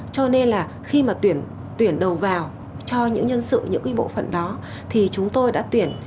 cho nên là khi mà tuyển đầu vào cho những nhân sự những cái bộ phận đó thì chúng tôi đã tuyển